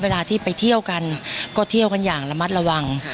เวลาที่ไปเที่ยวกันก็เที่ยวกันอย่างระมัดระวัง